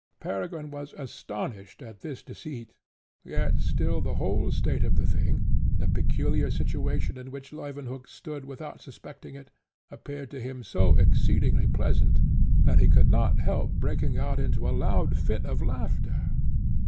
Peregrine was astonished at this deceit, yet still the whole state of the thing, the peculiar situation in which Leuwenhock stood without suspecting it, appeared to him so exceedingly pleasant, that he could not help breaking out into a loud fit of laughter.